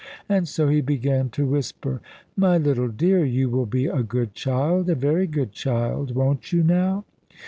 And so he began to whisper, "My little dear, you will be a good child a very good child; won't you, now?